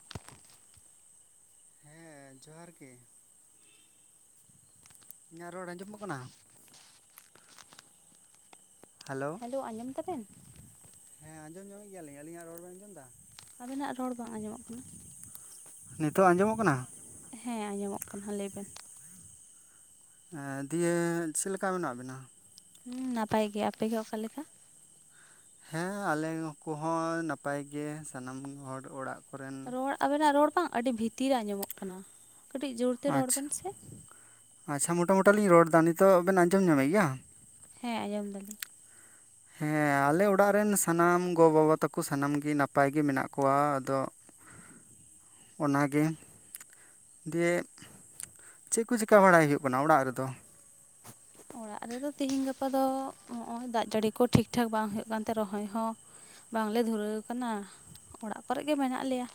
[inaudible] ᱦᱮᱸ ᱡᱚᱦᱟᱨ ᱜᱮ ᱤᱧᱟᱹᱜ ᱨᱚᱲ ᱟᱸᱡᱚᱢᱚᱜ ᱠᱟᱱᱟ? ᱦᱮᱞᱳ ᱟᱸᱡᱚᱢ ᱫᱟᱵᱮᱱ? ᱦᱮᱸ ᱟᱸᱡᱚᱢᱮᱜ ᱜᱮᱭᱟᱞᱤᱧ᱾ ᱟᱞᱤᱧᱟᱜ ᱨᱚᱲ ᱵᱮᱱ ᱟᱸᱡᱚᱢᱮᱫᱟ? ᱟᱵᱤᱱᱟᱜ ᱨᱚᱲ ᱵᱟᱝ ᱟᱸᱡᱚᱢᱚᱜ ᱠᱟᱱᱟ᱾ ᱱᱤᱛᱚᱜ ᱟᱸᱡᱚᱢᱚᱜ ᱠᱟᱱᱟ? ᱦᱮᱸ ᱟᱸᱡᱚᱢᱚᱜ ᱠᱟᱱᱟ ᱞᱟᱹᱭᱵᱮᱱ? ᱫᱤᱭᱮ ᱪᱮᱫ ᱞᱮᱠᱟ ᱢᱮᱱᱟᱜ ᱵᱤᱱᱟ? ᱦᱮᱸ ᱱᱟᱯᱟᱭ ᱜᱮ᱾ᱟᱯᱮᱜᱮ ᱚᱠᱟ ᱞᱮᱠᱟ? ᱦᱮᱸ ᱟᱞᱮ ᱠᱚᱦᱚᱸ ᱱᱟᱯᱟᱭ ᱜᱮ ᱥᱟᱱᱟᱢ ᱦᱚᱲ ᱚᱲᱟᱜ ᱠᱚᱨᱮᱱ ᱨᱚᱲ ᱟᱵᱮᱱᱟᱜ ᱨᱚᱲ ᱵᱟᱝ ᱟᱹᱰᱤ ᱵᱷᱤᱛᱤᱨ ᱨᱮ ᱟᱸᱡᱚᱢᱚᱜ ᱠᱟᱱᱟ, ᱠᱟᱹᱴᱤᱡ ᱡᱳᱨᱛᱮ ᱨᱚᱲ ᱟᱪᱪᱷᱟ ᱵᱮᱱ ᱥᱮ ᱟᱪᱪᱷᱟ ᱢᱚᱴᱟᱢᱚᱴᱤ ᱞᱤᱧ ᱨᱚᱲ ᱮᱫᱟ ᱱᱤᱛᱚᱜ ᱵᱮᱱ ᱟᱸᱡᱚᱢ ᱧᱟᱢᱮᱫ ᱜᱮᱭᱟ? ᱦᱮᱸ ᱟᱸᱡᱚᱢ ᱫᱟᱞᱤᱧ ᱦᱮᱸ ᱟᱞᱮ ᱚᱲᱟᱜ ᱨᱮᱱ ᱥᱟᱱᱟᱢ ᱜᱚ ᱵᱟᱵᱟ ᱛᱟᱠᱚ ᱥᱟᱱᱟᱢ ᱜᱮ ᱱᱟᱯᱟᱭ ᱜᱮ ᱢᱮᱱᱟᱜ ᱠᱚᱣᱟ ᱟᱫᱚ ᱚᱱᱟᱜᱮ ᱫᱤᱭᱮ ᱪᱮᱫ ᱠᱚ ᱪᱤᱠᱟᱹ ᱵᱟᱲᱟᱭ ᱦᱩᱭᱩᱜ ᱠᱟᱱᱟ ᱚᱲᱟᱜ ᱨᱮᱫᱚ? ᱚᱲᱟᱜ ᱨᱮᱫᱚ ᱛᱤᱦᱤᱧ ᱜᱟᱯᱟ ᱫᱚ ᱱᱚᱜᱼᱚᱭ ᱫᱟᱜ ᱡᱟᱹᱲᱤ ᱠᱚ ᱴᱷᱤᱠ ᱴᱷᱟᱠ ᱵᱟᱝ ᱦᱩᱭᱩᱜ ᱠᱟᱱ ᱛᱮ ᱨᱚᱦᱚᱭ ᱦᱚᱸ ᱵᱟᱝᱞᱮ ᱫᱷᱩᱨᱟᱹᱣ ᱟᱠᱟᱱᱟ ᱚᱲᱟᱜ ᱠᱚᱨᱮ ᱜᱮ ᱢᱮᱱᱟᱜ ᱞᱮᱭᱟ᱾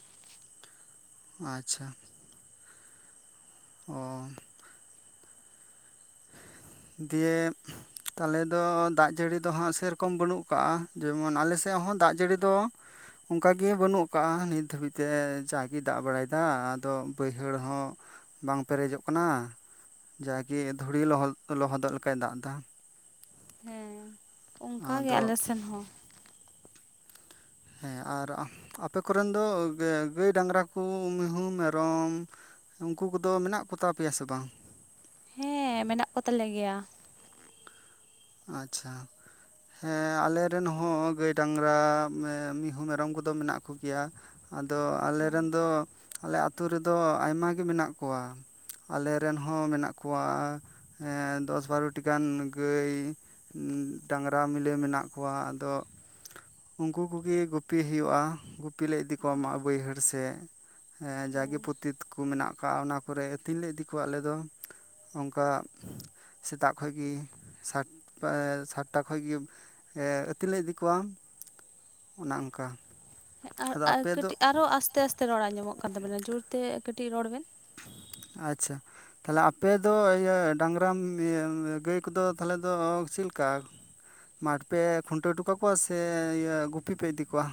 ᱟᱪᱪᱷᱟ ᱚ ᱫᱤᱭᱮ ᱛᱟᱦᱚᱞᱮ ᱫᱚ ᱫᱟᱜ ᱡᱟᱹᱲᱤ ᱫᱚ ᱦᱟᱸᱜ ᱥᱮᱨᱚᱠᱚᱢ ᱵᱟᱹᱱᱩᱜ ᱠᱟᱜᱼᱟ ᱡᱮᱢᱚᱱ ᱟᱞᱮ ᱥᱮᱫ ᱦᱚᱸ ᱫᱟᱜ ᱡᱟᱹᱲᱤ ᱫᱚ ᱚᱱᱠᱟᱜᱮ ᱵᱟᱹᱱᱩᱜ ᱟᱠᱟᱜᱼᱟ ᱱᱤᱛ ᱫᱷᱟᱹᱵᱤᱡᱛᱮ ᱡᱟᱜᱮᱭ ᱫᱟᱜ ᱵᱟᱲᱟᱭᱮᱫᱟ ᱟᱫᱚ ᱵᱟᱹᱭᱦᱟᱹᱲ ᱦᱚᱸ ᱵᱟᱝ ᱯᱮᱨᱮᱡᱚᱜ ᱠᱟᱱᱟ ᱡᱟᱜᱤ ᱫᱷᱩᱲᱤ ᱞᱚᱦᱚᱫᱚᱜ ᱞᱮᱠᱟᱭ ᱫᱟᱜ ᱮᱫᱟ᱾ ᱚᱝᱠᱟ ᱜᱮ ᱟᱫᱚ ᱟᱞᱮ ᱥᱮᱱ ᱦᱚᱸ᱾ ᱦᱮᱸ ᱟᱨ ᱟᱯᱮ ᱠᱚᱨᱮᱱ ᱫᱚ ᱜᱟᱹᱭ ᱰᱟᱝᱨᱟ ᱠᱚ ᱢᱤᱦᱩ ᱢᱮᱨᱚᱢ ᱩᱝᱠᱩ ᱠᱚᱫᱚ ᱢᱮᱱᱟᱜ ᱠᱚᱛᱟ ᱯᱮᱭᱟ ᱥᱮ ᱵᱟᱝ? ᱦᱮᱸ ᱢᱮᱱᱟᱜ ᱠᱚᱛᱟᱞᱮ ᱜᱮᱭᱟ᱾ ᱟᱪᱪᱷᱟ ᱦᱮᱸ ᱟᱞᱮ ᱨᱮᱱ ᱦᱚᱸ ᱜᱟᱹᱭ ᱰᱟᱝᱨᱟ ᱢᱤᱦᱩ ᱢᱮᱨᱚᱢ ᱠᱚᱫᱚ ᱢᱮᱱᱟᱜ ᱠᱚᱜᱮᱭᱟ᱾ ᱟᱫᱚ ᱟᱞᱮ ᱦᱮᱸ ᱨᱮᱱ ᱫᱚ ᱟᱞᱮ ᱟᱹᱛᱩ ᱨᱮᱫᱚ ᱟᱭᱢᱟ ᱜᱮ ᱢᱮᱱᱟᱜ ᱠᱚᱣᱟ ᱟᱞᱮ ᱨᱮᱱ ᱦᱚᱸ ᱢᱮᱱᱟᱜ ᱠᱚᱣᱟ ᱦᱮᱸ ᱫᱚᱥ ᱵᱟᱨᱚᱴᱤ ᱜᱟᱱ ᱜᱟᱹᱭ ᱰᱟᱝᱨᱟ ᱢᱤᱞᱮ ᱢᱮᱱᱟᱜ ᱠᱚᱣᱟ ᱟᱫᱚ ᱩᱝᱠᱩ ᱠᱚᱜᱮ ᱜᱩᱯᱤ ᱦᱩᱭᱩᱜᱼᱟ ᱜᱩᱯᱤ ᱞᱮ ᱤᱫᱤ ᱠᱚᱣᱟ ᱢᱟ ᱵᱟᱹᱭᱦᱟᱹᱲ ᱥᱮ ᱡᱟᱜᱮ ᱦᱮᱸ ᱯᱚᱛᱤᱛ ᱠᱚ ᱢᱮᱱᱟᱜ ᱠᱟ ᱟ ᱚᱱᱟ ᱠᱚᱨᱮ ᱟᱹᱛᱤᱧ ᱞᱮ ᱤᱫᱤ ᱠᱚᱣᱟ ᱟᱞᱮᱫᱚ ᱚᱝᱠᱟ ᱥᱮᱛᱟᱜ ᱠᱷᱚᱡ ᱜᱮ ᱥᱟᱴ ᱥᱟᱛᱴᱟ ᱠᱷᱚᱡ ᱜᱮ ᱟᱹᱛᱤᱧ ᱞᱮ ᱤᱫᱤ ᱠᱚᱣᱟ ᱚᱱᱮ ᱚᱝᱠᱟ ᱦᱮᱸ ᱟᱨ ᱟᱨ ᱠᱟᱹᱴᱤᱡ ᱟᱨᱚ ᱟᱥᱛᱮ ᱟᱥᱛᱮ ᱨᱚᱲ ᱟᱸᱡᱚᱢᱚᱜ ᱠᱟᱱ ᱛᱟᱵᱮᱱᱟ ᱡᱳᱨᱛᱮ ᱠᱟᱹᱴᱤᱡ ᱨᱚᱲ ᱵᱮᱱ ᱟᱪᱪᱷᱟ ᱛᱟᱦᱚᱞᱮ ᱟᱯᱮ ᱫᱚ ᱤᱭᱟᱹ ᱰᱟᱝᱨᱟ ᱜᱟᱹᱭ ᱠᱚᱫᱚ ᱛᱟᱦᱚᱞᱮ ᱫᱚ ᱪᱮᱫ ᱞᱮᱠᱟ ᱢᱟᱴᱷ ᱯᱮ ᱠᱷᱩᱱᱴᱟᱹᱣ ᱚᱴᱩ ᱠᱟᱠᱚᱣᱟ ᱥᱮ ᱤᱭᱟᱹ ᱜᱩᱯᱤ ᱯᱮ ᱤᱫᱤ ᱠᱚᱣᱟ᱾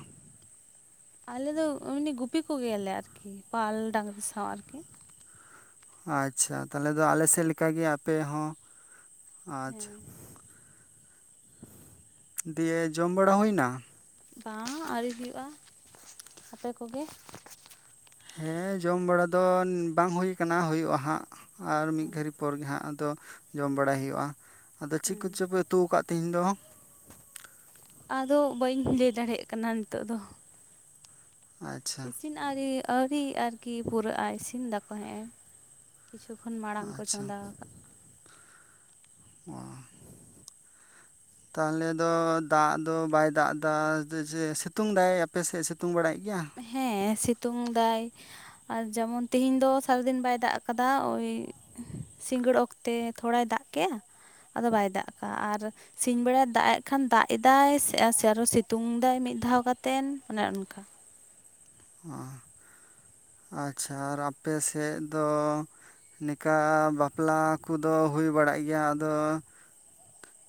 ᱟᱞᱮ ᱫᱚ ᱮᱢᱱᱤ ᱜᱩᱯᱤ ᱠᱚᱜᱮᱭᱟᱞᱮ ᱟᱨᱠᱤ ᱯᱟᱞ ᱰᱟᱸᱝᱨᱟ ᱥᱟᱶ ᱟᱨᱠᱤ᱾ ᱟᱪ-ᱪᱷᱟ ᱛᱟᱦᱞᱮ ᱫᱚ ᱟᱞᱮ ᱥᱮᱜ ᱞᱮᱠᱟ ᱜᱤ ᱟᱯᱮ ᱦᱚᱸ ᱦᱮᱸ ᱟᱪᱷᱟ᱾ ᱫᱤᱭᱮ ᱡᱚᱢ ᱵᱟᱲᱟ ᱦᱩᱭ ᱱᱟ᱾ ᱵᱟᱝ ᱟᱣᱨᱤ ᱦᱩᱭᱩᱜ-ᱟ ᱟᱯᱮ ᱠᱚᱜᱮ᱾ ᱦᱮᱸ ᱡᱚᱢ ᱵᱟᱲᱟ ᱫᱚ ᱵᱟᱝ ᱦᱩᱭ ᱠᱟᱱᱟ ᱦᱩᱭᱩᱜ-ᱟ ᱦᱟᱸᱜ᱾ ᱟᱨ ᱢᱤ ᱜᱷᱟᱲᱤᱜ ᱯᱚᱨ ᱜᱮ ᱦᱟᱸᱜ ᱟᱫᱚ ᱡᱚᱢ ᱵᱟᱲᱟᱭ ᱦᱳᱭᱳᱜᱼᱟ ᱟᱫᱚ ᱪᱮᱜ ᱦᱮᱸ ᱠᱚᱪᱚᱯᱮ᱾ ᱩᱛᱩ ᱠᱟᱜ ᱛᱤᱦᱤᱧ ᱫᱚ᱾ ᱟᱫᱚ ᱵᱟᱹᱧ ᱞᱟᱹᱭ ᱫᱟᱲᱮᱜ ᱠᱟᱱᱟ ᱱᱤᱛᱚᱜ ᱫᱚ᱾ ᱟᱪᱪᱷᱟ᱾ ᱤᱥᱤᱱ ᱟᱨᱤ ᱟᱹᱣᱨᱤ ᱟᱨᱠᱤ ᱯᱩᱨᱟᱹᱜ-ᱟ ᱤᱥᱤᱱ ᱫᱟᱠᱚ ᱦᱮᱸᱜ ᱮ᱾ ᱠᱤᱪᱷᱩ ᱠᱷᱚᱱ ᱢᱟᱲᱟᱝ ᱠᱚ ᱟᱪᱪᱷᱟ ᱪᱚᱸᱫᱟ ᱟᱠᱟᱜ᱾ ᱚ᱾ ᱛᱟᱦᱞᱮ ᱫᱚ ᱫᱟᱜ ᱫᱚ ᱵᱟᱭ ᱫᱟᱜ ᱮᱫᱟ ᱡᱮ ᱥᱤᱛᱩᱝ ᱫᱟᱭ ᱟᱯᱮᱥᱮᱜ ᱥᱤᱛᱩᱝ ᱵᱟᱲᱟᱭᱮᱜ ᱜᱮᱭᱟ᱾ ᱦᱮᱸ ᱥᱤᱛᱩᱝ ᱫᱟᱭ᱾ ᱟᱨ ᱡᱮᱢᱚᱱ ᱛᱤᱦᱤᱧ ᱫᱚ ᱥᱟᱨᱟ ᱫᱤᱱ ᱵᱟᱭ ᱫᱟᱜ ᱠᱟᱫᱟ ᱳᱭ᱾ ᱥᱤᱸᱜᱟᱹᱲ ᱚᱠᱛᱮ ᱛᱷᱚᱲᱟᱭ ᱫᱟᱜ ᱠᱮᱜ-ᱟ ᱟᱫᱚ ᱵᱟᱭ ᱫᱟᱜ ᱠᱟᱜ-ᱟ ᱟᱨ᱾ ᱥᱤᱧ ᱵᱮᱲᱟᱭ ᱫᱟᱜ ᱮᱜ ᱠᱷᱟᱱ ᱫᱟᱜ ᱮᱫᱟᱭ ᱥᱮ ᱥᱮ ᱟᱨᱚ ᱥᱤᱛᱩᱝ ᱫᱟᱭ ᱢᱤᱫ ᱫᱷᱟᱣ ᱠᱟᱛᱮᱱ ᱚᱱᱮ ᱚᱱᱠᱟ᱾ ᱚ ᱟᱪᱪᱷᱟ ᱟᱨ ᱟᱯᱮ ᱥᱮᱜ ᱫᱚ᱾ ᱱᱤᱠᱟ ᱵᱟᱯᱞᱟ ᱠᱚᱫᱚ ᱦᱩᱭ ᱵᱟᱲᱟᱜ ᱜᱮᱭᱟ ᱟᱫᱚ᱾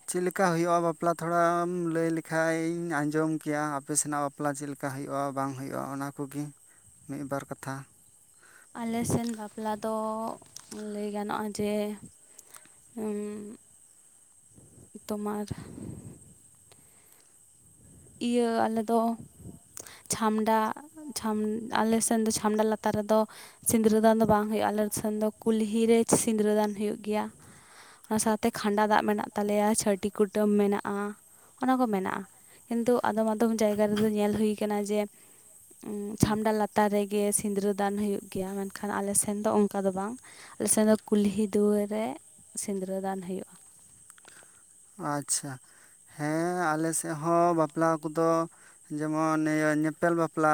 ᱪᱮᱫ ᱞᱮᱠᱟ ᱦᱩᱭᱩᱜᱼᱟ ᱵᱟᱯᱞᱟ ᱛᱷᱚᱲᱟᱢ ᱞᱟᱹᱭ ᱞᱮᱠᱷᱟᱧ ᱤᱧ ᱟᱸᱡᱚᱢ ᱠᱮᱭᱟ ᱟᱯᱮ ᱥᱮᱱᱟᱜ᱾ ᱵᱟᱯᱞᱟ ᱪᱮᱫ ᱞᱮᱠᱟ ᱦᱩᱭᱩᱜ-ᱟ ᱵᱟᱝ ᱦᱩᱭᱩᱜ-ᱟ ᱚᱱᱟ ᱠᱚᱜᱤ ᱢᱤᱜ ᱵᱟᱨ ᱠᱟᱛᱷᱟ᱾ ᱟᱞᱮ ᱥᱮᱱ ᱵᱟᱯᱞᱟ ᱫᱚ ᱞᱟᱹᱭ ᱜᱟᱱᱚᱜ-ᱟ ᱡᱮ᱾ [inaudible] ᱛᱳᱢᱟᱨ᱾ ᱤᱭᱟᱹ ᱟᱞᱮ ᱫᱚ᱾ ᱪᱷᱟᱢᱰᱟ ᱪᱷᱟᱢ ᱟᱞᱮ ᱥᱮᱱ ᱫᱚ ᱪᱷᱟᱢᱰᱟ ᱞᱟᱛᱟᱨ ᱨᱮᱫᱚ᱾ ᱥᱤᱸᱫᱽᱨᱟᱹ ᱫᱟᱱ ᱫᱚ ᱵᱟᱝ ᱦᱳᱭᱩᱜᱼᱟ ᱟᱞᱮ ᱥᱮᱱ ᱫᱚ ᱠᱩᱞᱦᱤ ᱨᱮ ᱥᱤᱸᱫᱽᱨᱟᱹ ᱫᱟᱱ ᱦᱩᱭᱩᱜ ᱜᱮᱭᱟ᱾ ᱚᱱᱟ ᱥᱟᱶᱛᱮ ᱠᱷᱟᱸᱰᱟ ᱫᱟᱜ ᱢᱮᱱᱟᱜ ᱛᱟᱞᱮᱭᱟ ᱪᱷᱟᱹᱴᱤ ᱠᱩᱴᱟᱹᱢ ᱢᱮᱱᱟᱜᱼᱟ ᱚᱱᱟ ᱠᱚ ᱢᱮᱱᱟᱜ-ᱟ᱾ ᱠᱤᱱᱛᱩ ᱟᱫᱚᱢ ᱟᱫᱚᱢ ᱡᱟᱭᱜᱟ ᱨᱮᱫᱚ ᱧᱮᱞ ᱦᱩᱭ ᱟᱠᱟᱱᱟ ᱡᱮ ᱦᱩᱸ ᱪᱷᱟᱢᱰᱟ ᱞᱟ ᱞᱟᱛᱟᱨ ᱨᱮᱜᱮ ᱥᱤᱸᱫᱽᱨᱟᱹᱫᱟᱱ ᱦᱩᱭᱩᱜ ᱜᱮᱭᱟ ᱢᱮᱱᱠᱷᱟᱱ ᱟᱞᱮ ᱥᱮᱱ ᱫᱚ ᱚᱱᱠᱟ ᱫᱚ ᱵᱟᱝ᱾ ᱟᱞᱮ ᱥᱮᱱ ᱫᱚ ᱠᱩᱞᱦᱤ ᱫᱩᱣᱟᱹᱨ ᱨᱮ ᱥᱤᱸᱫᱽᱨᱟᱹ ᱫᱟᱱ ᱦᱩᱭᱩᱜᱼᱟ᱾ ᱟᱪ-ᱪᱷᱟ ᱦᱮᱸ ᱟᱞᱮᱥᱮᱜ ᱦᱚᱸ ᱵᱟᱯᱞᱟ ᱠᱩᱫᱚ᱾ ᱡᱮᱢᱚᱱ ᱤᱭᱟᱹ ᱧᱮᱯᱮᱞ ᱵᱟᱯᱞᱟ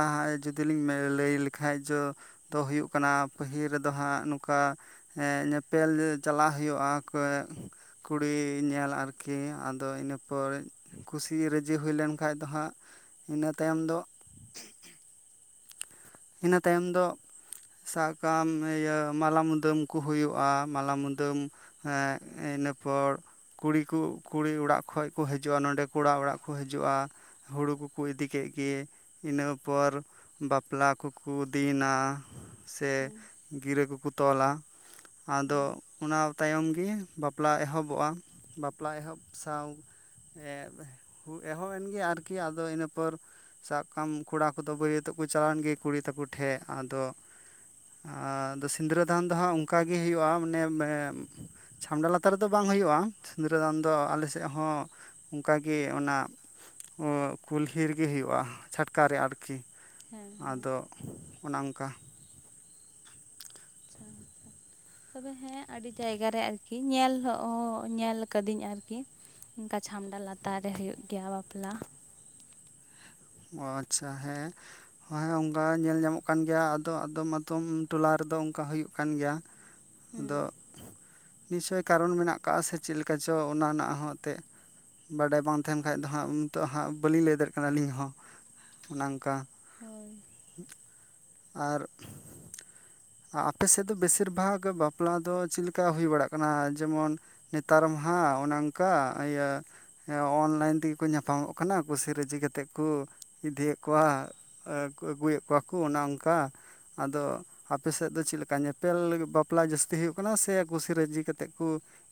ᱡᱩᱫᱤ ᱞᱤᱧ ᱞᱟᱹᱭ ᱞᱮᱠᱷᱟᱡ ᱡᱚ᱾ ᱛᱚ ᱦᱩᱭᱩᱜ ᱠᱟᱱᱟ ᱯᱟᱹᱦᱤᱞ ᱨᱮᱫᱚ ᱦᱟᱸᱜ ᱱᱚᱠᱟ᱾ ᱦᱮᱸ ᱧᱮᱯᱮᱞ ᱪᱟᱞᱟᱜ ᱦᱳᱭᱳᱜᱼᱟ ᱠᱩᱲᱤ ᱧᱮᱞ ᱟᱨ ᱠᱤ ᱟᱫᱚ ᱤᱱᱟᱹᱯᱚᱨ ᱠᱩᱥᱤ ᱨᱟᱹᱡᱤ ᱦᱩᱭ ᱞᱮᱱ ᱠᱷᱟᱡ ᱫᱚ ᱦᱟᱸᱜ᱾ ᱤᱱᱟᱹ ᱛᱟᱭᱚᱢ ᱫᱚ᱾ ᱤᱱᱟᱹ ᱛᱟᱭᱚᱢ ᱫᱚ᱾ ᱥᱟᱜ ᱠᱟᱢ ᱤᱭᱟᱹ ᱢᱟᱞᱟ ᱢᱩᱫᱟᱹᱢ ᱠᱩ ᱦᱩᱭᱩᱜ-ᱟ ᱢᱟᱞᱟ ᱢᱩᱫᱟᱹᱢ᱾ ᱦᱮᱸ ᱤᱱᱟᱹ ᱯᱚᱲ᱾᱾ ᱠᱩᱲᱤ ᱠᱩ ᱠᱩᱲᱤ ᱚᱲᱟᱜ ᱠᱷᱚᱡ ᱠᱚ ᱦᱤᱡᱩᱜᱼᱟ ᱱᱚᱸᱰᱮ ᱠᱚᱲᱟ ᱚᱲᱟᱜ ᱠᱚ ᱦᱤᱡᱩᱜ-ᱟ᱾ ᱦᱩᱲᱩ ᱠᱩᱠᱩ ᱤᱫᱤ ᱠᱮᱜ ᱜᱤ ᱤᱱᱟᱹ ᱯᱚᱨ ᱵᱟᱯ ᱯᱞᱟ ᱠᱚᱠᱩ ᱫᱤᱱ-ᱟ ᱥᱮ ᱦᱮᱸ ᱜᱤᱨᱟᱹ ᱠᱚᱠᱩ ᱛᱚᱞ-ᱟ᱾ ᱟᱫᱚ ᱚᱱᱟ ᱛᱟᱭᱚᱢ ᱜᱤ ᱵᱟᱯᱞᱟ ᱮᱦᱚᱵᱚᱜᱼᱟ ᱵᱟᱯᱞᱟ ᱮᱦᱚᱵ ᱥᱟᱶ᱾ [inaudible] ᱦᱩ ᱮᱦᱚᱵ ᱮᱱ ᱜᱮᱭᱟ ᱟᱨᱠᱤ ᱟᱫᱚ ᱤᱱᱟᱹ ᱯᱚᱨ ᱥᱟᱵᱠᱟᱢ ᱠᱚᱲᱟ ᱠᱚᱫᱚ ᱵᱟᱹᱨᱭᱟᱹᱛᱚᱜ ᱠᱚ ᱪᱟᱣᱟᱱ ᱜᱮ ᱠᱩᱲᱤ ᱛᱟᱠᱚ ᱴᱷᱮᱜ ᱟᱫᱚ ᱟᱫᱚ ᱥᱤᱸᱫᱽᱨᱟᱹᱫᱟᱱ ᱫᱚᱦᱟᱸᱜ ᱚᱝᱠᱟᱜᱮ ᱦᱩᱭᱩᱜᱼᱟ ᱢᱟᱱᱮ ᱢᱮ ᱪᱷᱟᱢᱰᱟ ᱞᱟᱛᱟᱨ ᱨᱮᱫᱚ ᱵᱟᱝ ᱦᱚᱭᱩᱜᱼᱟ, ᱥᱤᱸᱫᱽᱨᱟᱹᱫᱟᱱ ᱫᱚ ᱟᱞᱮ ᱥᱮᱜ ᱦᱚᱸ ᱩᱝᱠᱟᱜᱮ ᱚᱱᱟ ᱚᱸ ᱠᱩᱞᱦᱤ ᱨᱤᱜᱤ ᱦᱩᱭᱩᱜᱼᱟ, ᱪᱷᱟᱴᱠᱟᱨᱮ ᱟᱨᱠᱤ᱾ ᱦᱮᱸ ᱟᱫᱚ ᱚᱱᱟ ᱚᱝᱠᱟ ᱟᱪᱪᱷᱟ [inaudible] ᱛᱚᱵᱮ ᱦᱮᱸ ᱟᱹᱰᱤ ᱡᱟᱭᱜᱟ ᱨᱮ ᱟᱨᱠᱤ ᱧᱮᱞ ᱦᱚᱸ ᱚᱸ ᱧᱮᱞ ᱠᱟᱹᱫᱤᱧ ᱟᱨᱠᱤ᱾ ᱩᱝᱠᱟ ᱪᱷᱟᱢᱰᱟ ᱞᱟᱛᱟᱨ ᱨᱮ ᱦᱩᱭᱩᱜ ᱜᱮᱭᱟ ᱵᱟᱯᱞᱟ᱾ ᱚ ᱟᱪᱪᱷᱟ ᱦᱮᱸ ᱦᱚᱸᱶᱮ ᱚᱝᱠᱟ ᱧᱮᱞ ᱧᱟᱢᱚᱜ ᱠᱟᱱ ᱜᱮᱭᱟ ᱟᱫᱚ ᱟᱫᱚᱢ ᱟᱫᱚᱢ ᱴᱚᱞᱟ ᱨᱮᱫᱚ ᱚᱝᱠᱟ ᱦᱩᱭᱩᱜ ᱠᱟᱱ ᱜᱮᱭᱟ᱾ ᱦᱩᱸ ᱟᱫᱚᱜ ᱱᱤᱥᱪᱚᱭ ᱠᱟᱨᱚᱱ ᱢᱮᱱᱟᱜ ᱠᱟᱜᱼᱟ ᱥᱮ ᱪᱤᱜ ᱞᱤᱠᱟ ᱪᱚ ᱚᱱᱟ ᱨᱮᱱᱟᱜ ᱦᱚᱸ ᱮᱛᱮᱜ᱾ ᱵᱟᱰᱟᱭ ᱵᱟᱝ ᱛᱮᱸᱦᱮᱱ ᱠᱷᱟᱡ ᱫᱚ ᱦᱟᱸᱜ ᱩᱢ ᱛᱚᱜ ᱦᱟᱸᱜ ᱵᱟᱹᱞᱤᱧ ᱞᱟᱹᱭ ᱫᱟᱲᱮᱜ ᱠᱟᱱᱟ ᱟᱹᱞᱤᱧ ᱦᱚᱸ᱾ ᱚᱱᱮ ᱚᱝᱠᱟ ᱦᱳᱭ ᱟᱨ ᱟ-ᱟᱯᱮ ᱥᱮᱜ ᱫᱚ ᱵᱮᱥᱤᱨ ᱵᱷᱟᱜᱽ ᱵᱟᱯᱞᱟ ᱫᱚ ᱪᱤᱜ ᱞᱮᱠᱟ ᱦᱩᱭ ᱵᱟᱲᱟᱜ ᱠᱟᱱᱟ? ᱡᱮᱢᱚᱱ ᱱᱮᱛᱟᱨ ᱢᱟ ᱦᱟᱸᱜ ᱚᱱᱮ ᱚᱝᱠᱟ ᱟᱹᱭᱟᱹ ᱦᱮᱸ ᱚᱱᱞᱟᱭᱤᱱ ᱛᱮᱜᱮ ᱠᱚ ᱧᱟᱯᱟᱢᱚᱜ ᱠᱟᱱᱟ ᱠᱩᱥᱤ ᱨᱟᱹᱡᱤ ᱠᱟᱛᱮᱜ ᱠᱩ ᱤᱫᱤᱭᱮᱜ ᱠᱚᱣᱟ ᱮ ᱟᱹᱜᱩᱭᱮᱜ ᱠᱚᱣᱟ ᱠᱩ ᱚᱱᱮ ᱚᱝᱠᱟ ᱟᱫᱚ ᱟᱯᱮ ᱥᱮᱜ ᱫᱚ ᱪᱮᱜ ᱞᱮᱠᱟ ᱧᱮᱯᱮᱞ ᱞᱟᱹᱜᱤᱜ ᱵᱟᱯᱞᱟ ᱡᱟᱹᱥᱛᱤ ᱦᱩᱭᱩᱜ ᱠᱟᱱᱟ ᱥᱮ ᱠᱩᱥᱤ ᱨᱟᱹᱡᱤ ᱠᱟᱛᱮᱜ ᱠᱩ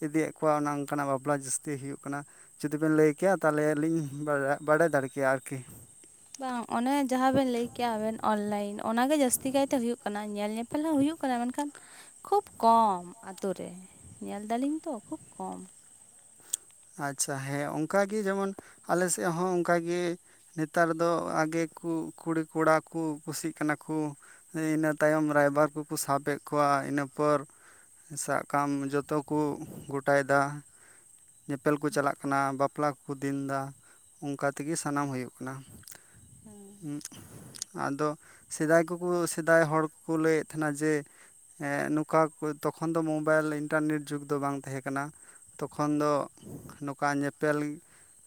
ᱤᱫᱤᱭᱮᱜ ᱠᱚᱣᱟ ᱚᱱᱮ ᱚᱝᱠᱟ ᱱᱟᱜ ᱵᱟᱯᱞᱟ ᱡᱟᱹᱥᱛᱤ ᱦᱩᱭᱩᱜ ᱠᱟᱱᱟ᱾ ᱡᱩᱫᱤ ᱵᱮᱱ ᱞᱟᱹᱭ ᱠᱮᱭᱟ ᱛᱟᱦᱞᱮ ᱞᱤᱧ ᱵᱟᱲᱟ ᱵᱟᱲᱟᱭ ᱫᱟᱲᱮ ᱠᱮᱭᱟ ᱟᱨ ᱠᱤ᱾ ᱵᱟᱝ ᱚᱱᱮ ᱡᱟᱦᱟᱸ ᱵᱮᱱ ᱞᱟᱹᱭ ᱠᱮᱜᱼᱟ ᱟᱵᱮᱱ ᱚᱱᱞᱟᱭᱤᱱ ᱚᱱᱟ ᱜᱮ ᱡᱟᱹᱥᱛᱤ ᱠᱟᱭ ᱛᱮ ᱦᱩᱭᱩᱜ ᱠᱟᱱᱟ᱾ ᱧᱮᱞ ᱧᱮᱯ ᱯᱮᱞ‌ ᱦᱚᱸ ᱦᱩᱭᱩᱜ ᱠᱟᱱᱟ ᱢᱮᱱᱠᱷᱟᱱ ᱠᱷᱩᱵ ᱠᱚᱢ ᱟᱛᱩ ᱨᱮ ᱧᱮᱞ ᱫᱟᱞᱤᱧ ᱛᱚ ᱠᱷᱩᱵ ᱠᱚᱢ᱾ ᱟᱪᱪᱷᱟ ᱦᱮᱸ ᱚᱝᱠᱟ ᱜᱤ ᱡᱮᱢᱚᱱ ᱟᱞᱮ ᱥᱮᱜ ᱦᱚᱸ ᱚᱝᱠᱟ ᱜᱤ ᱱᱮᱛᱟᱨ ᱫᱚ ᱟᱜᱮ ᱠᱩ ᱠᱩᱲᱤᱼᱠᱚᱲᱟ ᱠᱩ ᱠᱩᱥᱤᱜ ᱠᱟᱱᱟ ᱠᱩ᱾ ᱮ ᱤᱱᱟᱹ ᱛᱟᱭᱚᱢ ᱨᱟᱭᱵᱟᱨ ᱠᱩᱠᱩ ᱥᱟᱵᱮᱜ ᱠᱚᱣᱟ ᱤᱱᱟᱹ ᱯᱚᱨ ᱥᱟᱜ ᱠᱟᱢ ᱡᱚᱛᱚ ᱠᱩ ᱜᱚᱴᱟᱭᱫᱟ᱾ ᱧᱮᱯᱮᱞ ᱠᱩ ᱪᱟᱞᱟᱜ ᱠᱟᱱᱟ, ᱵᱟᱯᱞᱟ ᱠᱩᱠᱩ ᱫᱤᱱᱫᱟ ᱩᱝᱠᱟ ᱛᱤᱜᱤ ᱥᱟᱱᱟᱢ ᱦᱩᱭᱩᱜ ᱠᱟᱱᱟ᱾ ᱦᱩᱸᱜ ᱟᱫᱚ ᱥᱮᱫᱟᱭ ᱠᱩᱠᱩ ᱥᱮᱫᱟᱭ ᱦᱚᱲ ᱠᱩᱠᱩ ᱞᱟᱹᱭᱮᱜ ᱛᱟᱦᱮᱱᱟ ᱡᱮ ᱮᱸ ᱱᱩᱠᱟ ᱠᱩ ᱛᱚᱠᱷᱚᱱ ᱫᱚ ᱢᱳᱵᱟᱭᱤᱞ ᱤᱱᱴᱟᱨᱱᱮᱴ ᱡᱩᱜᱽ ᱫᱚ ᱵᱟᱝ ᱛᱮᱦᱮᱸ ᱠᱟᱱᱟ᱾ ᱛᱚᱠᱷᱚᱱ ᱫᱚ ᱱᱩᱠᱟ ᱧᱮᱯᱮᱞ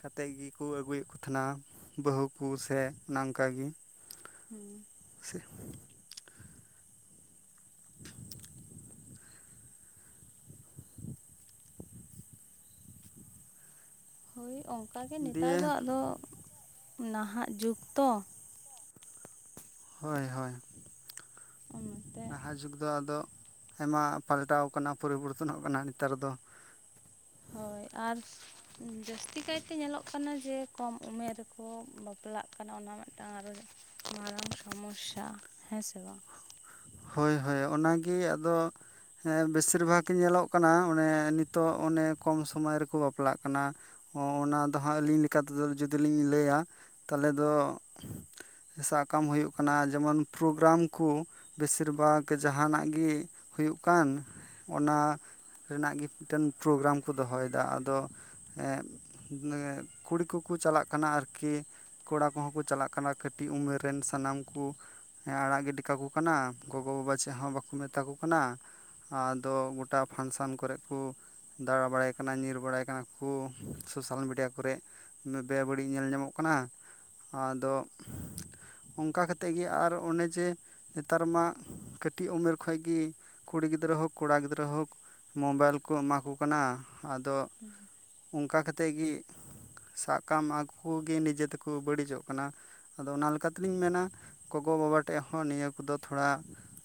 ᱠᱟᱛᱮᱜ ᱜᱤ ᱠᱩ ᱟᱹᱜᱩᱭᱮᱜ ᱠᱩ ᱛᱷᱮᱱᱟ ᱵᱟᱹᱦᱩ ᱠᱩ ᱥᱮ ᱚᱱᱟ ᱟᱝᱠᱟ ᱜᱤ᱾ ᱦᱩᱸ ᱥᱮ [inaudible] ᱦᱳᱭ ᱚᱝᱠᱟ ᱜᱮ ᱱᱮᱛᱟᱨ ᱫᱚ ᱫᱤᱭᱮ ᱟᱫᱚ, ᱱᱟᱦᱟᱜ ᱡᱩᱠ‌ ᱛᱚ᱾ ᱦᱚᱭ ᱦᱚᱭ᱾ ᱚᱱᱟ ᱛᱮ ᱱᱟᱦᱟᱜ ᱡᱩᱜᱽ ᱫᱚ ᱟᱫᱚ ᱟᱭᱢᱟ ᱯᱟᱞᱴᱟᱣ ᱠᱟᱱᱟ ᱯᱚᱨᱤᱵᱚᱨᱛᱚᱱᱚᱜ ᱠᱟᱱᱟ ᱱᱮᱛᱟᱨ ᱫᱚ᱾ ᱦᱳᱭ ᱟᱨ ᱡᱟᱹᱥᱛᱤ ᱠᱟᱭᱛᱮ ᱧᱮᱞᱚᱜ ᱠᱟᱱᱟ ᱡᱮ, ᱠᱚᱢ ᱩᱢᱮᱨ ᱨᱮᱠᱚ ᱵᱟᱯᱞᱟᱜ ᱠᱟᱱᱟ ᱚᱱᱟ ᱢᱤᱫᱴᱟᱱ ᱟᱨᱚ ᱢᱟᱨᱟᱝ ᱥᱚᱢᱚᱥᱟ ᱦᱮᱸ ᱥᱮ ᱵᱟᱝ᱾ ᱦᱳᱭ ᱦᱳᱭ ᱚᱱᱟᱜᱮ ᱟᱫᱚ ᱦᱮᱸ ᱵᱮᱥᱤᱨ ᱵᱷᱟᱜᱽ ᱜᱮ ᱧᱮᱞᱚᱜ ᱠᱟᱱᱟ ᱚᱱᱮ ᱱᱤᱛᱚᱜ ᱚᱱᱮ ᱠᱚᱢ ᱥᱚᱢᱚᱭ ᱨᱮᱠᱚ ᱵᱟᱯᱞᱟᱜ ᱠᱟᱱᱟ᱾ ᱚᱱᱟ ᱫᱚ ᱦᱟᱸᱜ ᱟᱹᱞᱤᱧ ᱞᱮᱠᱟ ᱛᱮᱫᱚ ᱡᱩᱫᱤ ᱞᱤᱧ ᱞᱟᱹᱭᱟ ᱛᱟᱦᱚᱞᱮ ᱫᱚ ᱥᱟᱵ ᱠᱟᱜᱢ ᱦᱩᱭᱩᱜ ᱠᱟᱱᱟ ᱡᱮᱢᱚᱱ ᱯᱨᱳᱜᱨᱟᱢ ᱠᱩ, ᱵᱮᱥᱤᱨ ᱵᱷᱟᱜ ᱡᱟᱦᱟᱱᱟᱜ ᱜᱮ ᱦᱩᱭᱩᱜ ᱠᱟᱱ ᱚᱱᱟ ᱨᱮᱱᱟᱜ ᱜᱮ ᱢᱤᱫᱴᱮᱱ ᱯᱨᱳᱜᱨᱟᱢ ᱠᱚ ᱫᱚᱦᱚᱭᱫᱟ ᱟᱫᱚ ᱮᱸ ᱵᱚᱞᱮ ᱠᱩᱲᱤ ᱠᱩ ᱠᱩ ᱪᱟᱞᱟᱜ ᱠᱟᱱᱟ ᱟᱨᱠᱤ ᱠᱚᱲᱟ ᱠᱚᱦᱚᱸ ᱠᱚ ᱪᱟᱞᱟᱜ ᱠᱟᱱᱟ ᱠᱟᱹᱴᱤᱡ ᱩᱢᱮᱨ ᱨᱮᱱ ᱥᱟᱱᱟᱢ ᱠᱩ ᱟᱲᱟᱜ ᱜᱤᱰᱤ ᱠᱟᱠᱚ ᱠᱟᱱᱟ ᱜᱚᱜᱚ ᱵᱟᱵᱟ ᱪᱮᱫ ᱦᱚᱸ ᱵᱟᱠᱚ ᱢᱮᱛᱟ ᱠᱚ ᱠᱟᱱᱟ᱾ ᱟᱫᱚ ᱜᱚᱴᱟ ᱯᱷᱟᱱᱥᱮᱱ ᱠᱚᱨᱮᱜ ᱠᱩ ᱫᱟᱬᱟ ᱵᱟᱲᱟᱭ ᱠᱟᱱᱟ ᱧᱤᱨ ᱵᱟᱲᱟᱭ ᱠᱟᱱᱟ ᱠᱩ ᱥᱳᱥᱟᱞ ᱢᱤᱰᱤᱭᱟ ᱠᱚᱨᱮᱜ, ᱚᱱᱮ ᱵᱮ ᱵᱟᱹᱲᱤᱡ ᱧᱮᱞ ᱧᱟᱢᱚᱜ ᱠᱟᱱᱟ᱾ ᱟᱫᱚ ᱚᱱᱠᱟ ᱠᱟᱛᱮᱜ ᱜᱮ ᱟᱨ ᱚᱱᱮ ᱡᱮ ᱱᱮᱛᱟᱨ ᱢᱟ ᱠᱟᱹᱴᱤᱡ ᱩᱢᱮᱨ ᱠᱷᱚᱡ ᱜᱤ ᱠᱩᱲᱤ ᱜᱤᱫᱽᱨᱟᱹ ᱦᱳᱠ ᱠᱚᱲᱟ ᱜᱤᱫᱽᱨᱟᱹ ᱦᱳᱠ ᱢᱳᱵᱟᱭᱤᱞ ᱠᱩ ᱮᱢᱟᱠᱚ ᱠᱟᱱᱟ ᱟᱫᱚ ᱚᱱᱠᱟ ᱠᱟᱛᱮᱜ ᱜᱤ ᱥᱟᱵ ᱠᱟᱢ ᱟᱠᱩ ᱜᱮ ᱱᱤᱡᱮ ᱛᱮᱠᱩ ᱵᱟᱹᱲᱤᱡᱚᱜ ᱠᱟᱱᱟ, ᱟᱫᱚ ᱚᱱᱟ ᱞᱮᱠᱟ ᱛᱮᱞᱤᱧ ᱢᱮᱱᱟ ᱜᱚᱜᱚ ᱵᱟᱵᱟ ᱴᱷᱮᱡ ᱦᱚᱸ ᱱᱤᱭᱟᱹ ᱠᱚᱫᱚ ᱛᱷᱚᱲᱟ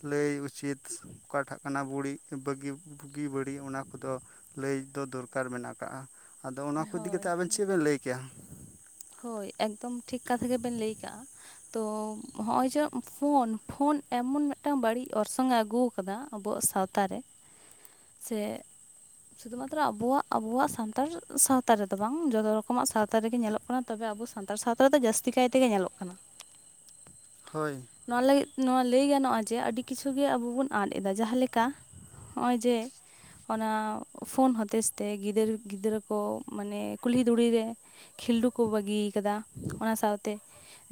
ᱞᱟᱹᱭ ᱩᱪᱤᱛ ᱚᱠᱟᱴᱷᱟᱜ ᱠᱟᱱᱟ ᱵᱩᱲᱤ ᱵᱟᱹᱜᱤ ᱵᱩᱜᱤ ᱵᱟᱹᱲᱤᱜ ᱚᱱᱟ ᱠᱚᱫᱚ ᱞᱟᱹᱭ ᱫᱚ ᱫᱚᱨᱠᱟᱨ ᱢᱮᱱᱟᱜ ᱠᱟᱜᱼᱟ, ᱟᱫᱚ ᱚᱱᱟ ᱠᱚ ᱤᱫᱤ ᱦᱳᱭ ᱠᱟᱛᱮᱜ ᱟᱵᱮᱱ ᱪᱮᱫ ᱵᱮᱱ ᱞᱟᱹᱭ ᱠᱮᱭᱟ, ᱦᱳᱭ ᱮᱠᱫᱚᱢ ᱴᱷᱤᱠ ᱠᱟᱛᱷᱟ ᱜᱮᱵᱮᱱ ᱞᱟᱹᱭ ᱠᱟᱜᱼᱟ, ᱛᱚ ᱦᱚᱜᱼᱚᱭ ᱡᱮ ᱯᱷᱳᱱ ᱯᱷᱳᱱ ᱮᱢᱚᱱ ᱢᱤᱫᱴᱟᱝ ᱵᱟᱹᱲᱤᱡ ᱚᱨᱥᱚᱝ ᱮ ᱟᱹᱜᱩ ᱠᱟᱫᱟ ᱟᱵᱚᱣᱟᱜ ᱥᱟᱶᱛᱟ ᱨᱮ, ᱥᱮ ᱥᱩᱫᱷᱩ ᱢᱟᱛᱨᱚ ᱟᱵᱚ ᱟᱵᱚᱣᱟᱜ ᱥᱟᱱᱛᱟᱲ ᱥᱟᱶᱛᱟ ᱨᱮᱫᱚ ᱵᱟᱝ ᱡᱚᱛᱚ ᱨᱚᱠᱚᱢᱟᱜ ᱥᱟᱶᱛᱟ ᱨᱮᱜᱮ ᱧᱮᱞᱚᱜ ᱠᱟᱱᱟ, ᱛᱚᱵᱮ ᱟᱵᱚ ᱥᱟᱱᱛᱟᱲ ᱥᱟᱶᱛᱟ ᱨᱮᱫᱚ ᱡᱟᱹᱥᱛᱤ ᱠᱟᱭ ᱛᱮᱜᱮ ᱧᱮᱞᱚᱜ ᱠᱟᱱᱟ, ᱦᱳᱭ, ᱱᱚᱣᱟ ᱞᱟᱹᱜᱤᱫ ᱱᱚᱣᱟ ᱞᱟᱹᱭ ᱜᱟᱱᱚᱜᱼᱟ ᱡᱮ ᱟᱹᱰᱤ ᱠᱤᱪᱷᱩ ᱜᱮ ᱟᱵᱚ ᱵᱚᱱ ᱟᱫ ᱮᱫᱟ ᱡᱟᱦᱟᱸ ᱞᱮᱠᱟ ᱦᱚᱸᱜᱼᱚᱭ ᱡᱮ ᱚᱱᱟ ᱯᱷᱳᱱ ᱦᱚᱛᱮᱡ ᱛᱮ ᱜᱤᱫᱟᱹᱨ ᱜᱤᱫᱽᱨᱟᱹ ᱠᱚ ᱢᱟᱱᱮ ᱠᱩᱞᱦᱤ ᱫᱷᱩᱲᱤ ᱨᱮ ᱠᱷᱤᱞᱰᱩ ᱠᱚ ᱵᱟᱹᱜᱤ ᱠᱟᱫᱟ ᱚᱱᱟ ᱥᱟᱶᱛᱮ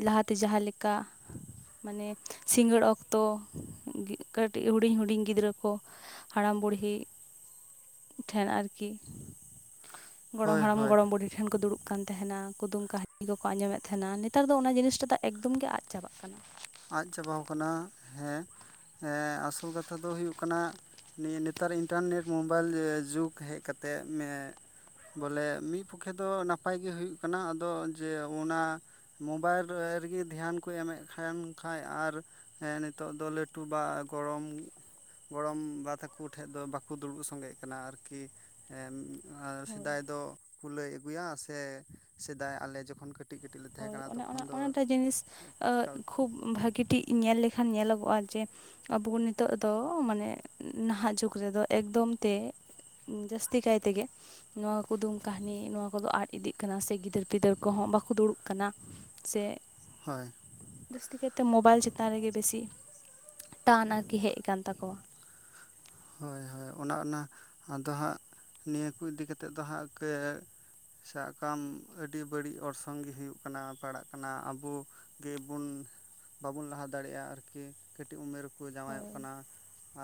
ᱞᱟᱦᱟᱛᱮ ᱡᱟᱦᱟᱸ ᱞᱮᱠᱟ ᱢᱟᱱᱮ ᱥᱤᱸᱜᱟᱹᱲ ᱚᱠᱛᱚ ᱠᱟᱹᱴᱤᱜ ᱦᱩᱰᱤᱧ ᱦᱩᱰᱤᱧ ᱜᱤᱫᱽᱨᱟᱹ ᱠᱚ ᱦᱟᱲᱟᱢ ᱵᱩᱲᱦᱤ ᱴᱷᱮᱱ ᱟᱨᱠᱤ ᱜᱚᱲᱚᱢ ᱦᱳᱭ ᱦᱟᱲᱟᱢ ᱦᱳᱭ ᱜᱚᱲᱚᱢ ᱵᱩᱰᱷᱤ ᱴᱷᱮᱱ ᱠᱚ ᱫᱩᱲᱩᱵ ᱠᱟᱱ ᱛᱟᱦᱮᱱᱟ ᱠᱩᱫᱩᱢ ᱠᱟᱹᱦᱱᱤ ᱠᱚᱠᱚ ᱟᱡᱚᱢᱮᱫ ᱛᱟᱦᱮᱱᱟ ᱱᱮᱛᱟᱨ ᱫᱚ ᱚᱱᱟ ᱡᱤᱱᱤᱥ ᱴᱟ ᱫᱚ ᱮᱠᱫᱚᱢ ᱜᱮ ᱟᱫ ᱪᱟᱵᱟᱜ ᱠᱟᱱᱟ᱾ ᱟᱫ ᱪᱟᱵᱟᱣ ᱠᱟᱱᱟ ᱦᱮᱸ ᱟᱥᱚᱞ ᱠᱟᱛᱷᱟ ᱫᱚ ᱦᱩᱭᱩᱜ ᱠᱟᱱᱟ᱾ ᱱᱤᱭᱟᱹ ᱱᱮᱛᱟᱨ ᱤᱱᱴᱟᱨᱱᱮᱴ ᱢᱳᱵᱟᱭᱤᱞ ᱡᱩᱜᱽ ᱦᱮᱡ ᱠᱟᱛᱮᱫ ᱱᱤᱭᱮ, ᱵᱚᱞᱮ ᱢᱤᱫ ᱯᱚᱠᱷᱮ ᱫᱚ ᱱᱟᱯᱟᱭ ᱜᱮ ᱦᱩᱭᱩᱜ ᱠᱟᱱᱟ ᱟᱫᱚ ᱡᱮ ᱚᱱᱟ᱾ ᱢᱳᱚᱵᱟᱭᱤᱞ ᱨᱮ ᱜᱤ ᱫᱷᱮᱭᱟᱱ ᱠᱚ ᱮᱢᱮᱫ ᱠᱷᱟᱱ, ᱠᱷᱟᱡ ᱟᱨ ᱦᱮᱸ ᱱᱤᱛᱚᱜ ᱫᱚ ᱞᱟᱹᱴᱩ ᱵᱟ ᱜᱚᱲᱚᱢ ᱜᱚᱲᱚᱢ ᱵᱟ ᱛᱟᱠᱚ ᱴᱷᱮᱡ ᱫᱚ ᱵᱟᱠᱚ ᱫᱩᱲᱩᱵ ᱥᱚᱸᱜᱮᱜ ᱠᱟᱱᱟ ᱟᱨᱠᱤ ᱮᱸᱻ ᱟᱨ ᱥᱮᱫᱟᱭ ᱫᱚ ᱠᱩᱞᱟᱹᱭ ᱟᱹᱜᱩᱭᱟ ᱥᱮ ᱥᱮᱫᱟᱭ ᱟᱞᱮ ᱡᱚᱠᱷᱚᱱ ᱠᱟᱹ ᱦᱳᱭ ᱚᱱᱮ ᱚᱱᱟ ᱚᱱᱟᱴᱟ ᱡᱤᱱᱤᱥ ᱠᱷᱩᱵ ᱵᱷᱟᱹᱜᱤ ᱴᱤᱡ ᱧᱮᱞ ᱞᱮᱠᱷᱟᱱ ᱧᱮᱞᱚᱜᱚᱜᱼᱟ ᱡᱮ ᱟᱵᱚ ᱱᱤᱛᱚᱜ ᱫᱚ ᱢᱟᱱᱮ ᱱᱟᱦᱟᱜ ᱡᱩᱜᱽ ᱨᱮᱫᱚ ᱮᱠᱫᱚᱢ ᱛᱮ ᱡᱟᱹᱥᱛᱤ ᱠᱟᱭ ᱛᱮᱜᱮ ᱱᱚᱣᱟ ᱠᱩᱫᱩᱢ ᱠᱟᱹᱦᱱᱤ ᱱᱚᱣᱟ ᱠᱚᱫᱚ ᱟᱫ ᱤᱫᱤᱜ ᱠᱟᱱᱟ ᱥᱮ ᱜᱤᱫᱟᱹᱨ ᱯᱤᱫᱟᱹᱨ ᱠᱚᱦᱚᱸ ᱵᱟᱠᱚ ᱫᱩᱲᱩᱵ ᱠᱟᱱᱟ ᱥᱮ ᱦᱳᱭ ᱾ ᱡᱟᱹᱥᱛᱤ ᱠᱟᱭᱛᱮ ᱢᱳᱚᱵᱟᱭᱤᱞ ᱪᱮᱛᱟᱱ ᱨᱮᱜᱮ ᱵᱤᱥᱤ ᱴᱟᱱ ᱟᱨᱠᱤ ᱦᱮᱡ ᱟᱠᱟᱱ ᱛᱟᱠᱚᱣᱟ ᱾ ᱦᱳᱭ ᱦᱳᱭ ᱚᱱᱟ ᱚᱱᱟ ᱟᱫᱚ ᱦᱟᱸᱜ ᱱᱤᱭᱟᱹ ᱠᱚ ᱤᱫᱤ ᱠᱟᱛᱮᱫ ᱫᱚ ᱦᱟᱸᱜ ᱠᱟᱹ ᱥᱟᱵ ᱠᱟᱢ ᱟᱹᱰᱤ ᱵᱟᱹᱲᱤᱡ ᱚᱨᱥᱚᱝ ᱜᱮ ᱦᱩᱭᱩᱜ ᱠᱟᱱᱟ ᱯᱟᱲᱟᱜ ᱠᱟᱱᱟ ᱟᱵᱚ ᱜᱮᱵᱩᱱ ᱵᱟᱵᱩᱱ ᱞᱟᱦᱟ ᱫᱟᱲᱮᱭᱟᱜᱼᱟ ᱟᱨᱠᱤ ᱠᱟᱹᱴᱤᱡ ᱩᱢᱮᱨ ᱨᱮᱠᱚ ᱡᱟᱶᱟᱭᱚᱜ ᱦᱳᱭ ᱠᱟᱱᱟ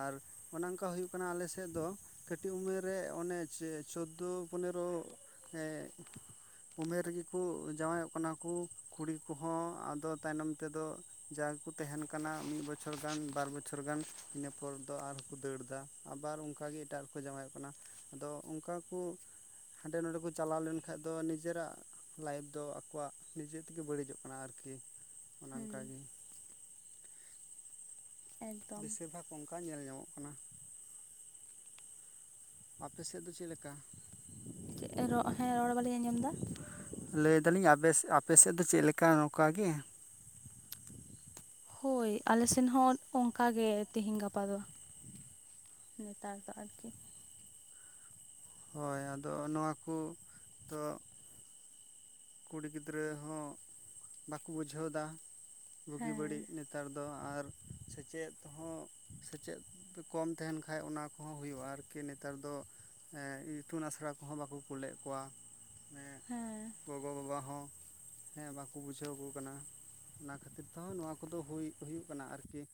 ᱟᱨᱼᱼ ᱚᱱᱮ ᱚᱱᱠᱟ ᱦᱩᱭᱩᱜ ᱠᱟᱱᱟ ᱟᱞᱮᱥᱮᱫ ᱫᱚ ᱠᱟᱹᱴᱤᱡ ᱩᱢᱮᱨ ᱨᱮ ᱚᱱᱮ ᱪᱮ ᱪᱳᱫᱳ ᱯᱚᱱᱮᱨᱚ ᱦᱮᱸ ᱩᱢᱮᱨ ᱨᱮᱜᱮ ᱠᱚ ᱡᱟᱶᱟᱭᱚᱜ ᱠᱟᱱᱟ ᱠᱚ ᱠᱩᱲᱤ ᱠᱚᱦᱚᱸ ᱟᱫᱚ ᱛᱟᱭᱱᱚᱢ ᱛᱮᱫᱚ ᱡᱟᱜᱮᱠᱚ ᱛᱟᱦᱮᱱ ᱠᱟᱱᱟ ᱢᱤᱫ ᱵᱚᱪᱷᱚᱨ ᱜᱟᱱ ᱵᱟᱨ ᱵᱚᱪᱷᱚᱨ ᱜᱟᱱ ᱤᱱᱟᱹᱯᱚᱨ ᱫᱚ ᱟᱨ ᱠᱚ ᱫᱟᱹᱲ ᱫᱟ ᱟᱵᱟᱨ ᱚᱱᱠᱟᱜ ᱜᱮ ᱮᱴᱟᱜ ᱨᱮᱠᱚ ᱡᱟᱶᱟᱭᱚᱜ ᱠᱟᱱᱟ ᱟᱫᱚ ᱚᱱᱠᱟ ᱠᱚ ᱦᱟᱸᱰᱮ ᱱᱚᱰᱮ ᱠᱚ ᱪᱟᱞᱟᱣ ᱞᱮᱱᱠᱷᱟᱡ ᱫᱚ ᱱᱤᱡᱮᱨᱟᱜ ᱞᱟᱭᱤᱯᱷ ᱫᱚ ᱟᱠᱚᱣᱟᱜ ᱱᱤᱡᱮ ᱛᱮᱜᱮ ᱵᱟᱹᱲᱤᱡᱚᱜ ᱠᱟᱱᱟ ᱟᱨᱠᱤ ᱚᱱᱮ ᱦᱮᱸ ᱚᱱᱠᱟᱜᱤ, ᱮᱠᱫᱚᱢ ᱵᱮᱥᱤᱨ ᱵᱷᱟᱜᱽ ᱚᱱᱠᱟ ᱧᱮᱞ ᱧᱟᱢᱚᱜ ᱠᱟᱱᱟ, ᱟᱯᱮ ᱥᱮᱫ ᱫᱚ ᱪᱮᱫ ᱞᱮᱠᱟ? ᱪᱮᱫ ᱦᱮᱸ ᱨᱚᱲ ᱵᱟᱞᱤᱧ ᱟᱸᱡᱚᱢ ᱫᱟ? ᱞᱟᱹᱭᱫᱟᱞᱤᱧ ᱟᱯᱮ ᱥᱮᱫ ᱫᱚ ᱪᱮᱫᱞᱠᱟ ᱱᱚᱝᱠᱟ ᱜᱮ? ᱦᱳᱭ ᱟᱞᱮᱥᱮᱱ ᱦᱚᱸ ᱚᱱᱠᱟ ᱜᱮ ᱛᱤᱦᱮᱧ ᱜᱟᱯᱟ ᱫᱚ ᱱᱮᱛᱟᱨ ᱫᱚ ᱟᱨᱠᱤ ᱾ ᱦᱳᱭ ᱟᱫᱚ ᱱᱚᱣᱟ ᱠᱚ ᱫᱚ ᱠᱩᱲᱤ ᱜᱤᱫᱽᱨᱟᱹ ᱦᱚᱸ ᱵᱟᱠᱚ ᱵᱩᱡᱷᱟᱹᱣ ᱫᱟ ᱵᱩᱜᱤ ᱵᱟᱹᱲᱤᱡ ᱦᱮᱸ ᱱᱤᱛ ᱱᱮᱛᱟᱨ ᱫᱚ ᱟᱨ ᱥᱮᱪᱮᱫ ᱦᱚᱸ ᱥᱮᱪᱮᱫ ᱠᱚᱢ ᱛᱟᱦᱮᱱ ᱠᱷᱟᱡ ᱚᱱᱟ ᱠᱚᱦᱚᱸ ᱦᱩᱭᱩᱜᱼᱟ ᱟᱨᱠᱤ ᱱᱮᱛᱟᱨ ᱫᱚ ᱮᱸᱜ ᱤᱛᱩᱱ ᱟᱥᱲᱟ ᱠᱚᱸᱦᱚᱸ ᱵᱟᱠᱚ ᱠᱩᱞᱮᱫ ᱠᱚᱣᱟ, ᱦᱮᱸ ᱜᱚᱜᱚ ᱵᱟᱵᱟ ᱦᱚᱸ ᱦᱮᱸ ᱵᱟᱠᱚ ᱵᱩᱡᱷᱟᱹᱣ ᱠᱚ ᱠᱟᱱᱟ ᱚᱱᱟ ᱠᱷᱟᱹᱛᱤᱨ ᱛᱮᱦᱚᱸ ᱱᱚᱣᱟ ᱠᱚᱫᱚ ᱦᱩᱭ ᱦᱩᱭᱩᱜ ᱠᱟᱱᱟ ᱟᱨᱠᱤ ᱾